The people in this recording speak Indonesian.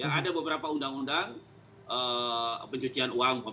ada beberapa undang undang pencucian uang